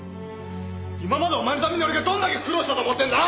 今までお前のために俺がどんだけ苦労したと思ってんだ！